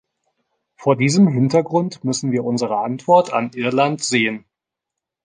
Vor diesem Hintergrund müssen wir unsere Antwort an Irland sehen.